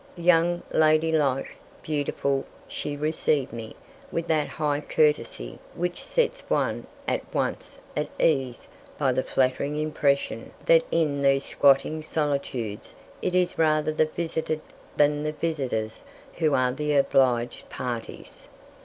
Young, ladylike, beautiful, she received me with that high courtesy which sets one at once at ease by the flattering impression that in these squatting solitudes it is rather the visited than the visitors who are the obliged parties.